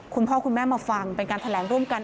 คุณพ่อคุณแม่มาฟังเป็นการแถลงร่วมกัน